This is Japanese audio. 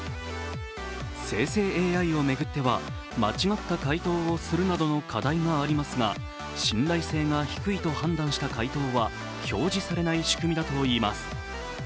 生成ＡＩを巡っては間違った回答をするなどの課題もありますが信頼性が低いと判断した回答は表示されない仕組みだといいます。